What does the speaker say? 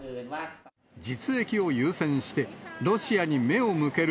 実益を優先して、ロシアに目を向ける